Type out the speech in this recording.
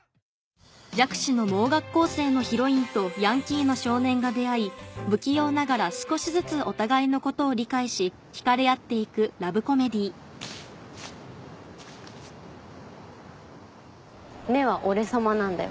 弱視の盲学校生のヒロインとヤンキーの少年が出会い不器用ながら少しずつお互いのことを理解し惹かれ合って行くラブコメディー目はオレ様なんだよ。